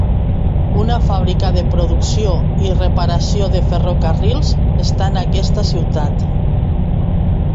Una fàbrica de producció i reparació de ferrocarrils està en aquesta ciutat.